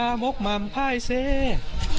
เพลงที่สุดท้ายเสียเต้ยมาเสียชีวิตค่ะ